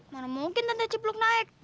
mana mungkin tante cipluk naik